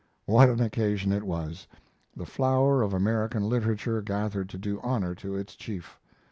What an occasion it was! The flower of American literature gathered to do honor to its chief.